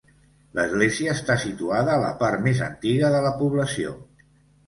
L'església està situada a la part més antiga de la població.